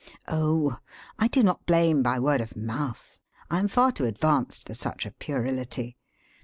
Oh! I do not blame by word of mouth! I am far too advanced for such a puerility.